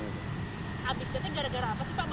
isinya gara gara apa sih pak